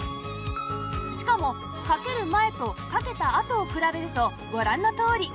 しかもかける前とかけた後を比べるとご覧のとおり